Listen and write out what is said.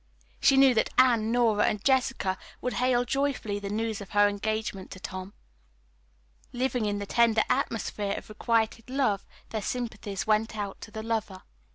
She knew that Anne, Nora and Jessica would hail joyfully the news of her engagement to Tom. Living in the tender atmosphere of requited love, their sympathies went out to the lover.